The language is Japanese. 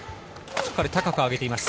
しっかりと高く上げています。